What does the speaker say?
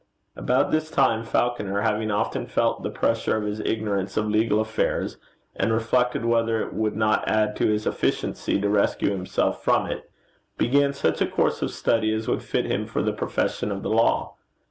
About this time Falconer, having often felt the pressure of his ignorance of legal affairs, and reflected whether it would not add to his efficiency to rescue himself from it, began such a course of study as would fit him for the profession of the law.